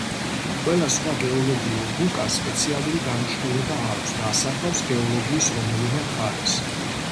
ყველა სხვა გეოლოგიურ რუკას სპეციალური დანიშნულება აქვს და ასახავს გეოლოგიის რომელიმე მხარეს.